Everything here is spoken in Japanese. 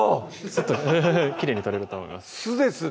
スッときれいに取れると思います